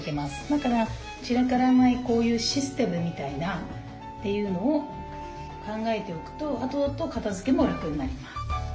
だから散らからないこういうシステムみたいなっていうのを考えておくとあとあと片づけも楽になります。